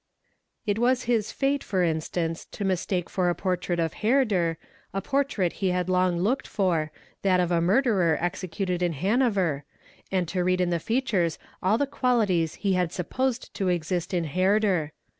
_ It was his fate, for instance, to mistake for a portrait of Herder, a ortrait he had long looked for, that of a murderer executed in Hanover 118 EXAMINATION OF ACCUSED and to read in the features all the qualities he had supposed to exist in. Herder.